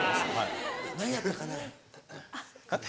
「何やったかな」。